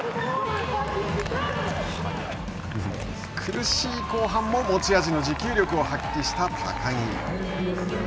苦しい後半も持ち味の持久力を発揮した高木。